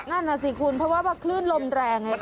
นั่นน่ะสิคุณเพราะว่าคลื่นลมแรงไงคะ